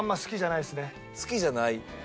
好きじゃない？